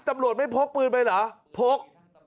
ตำรวจไม่พกปืนไปเหรอพก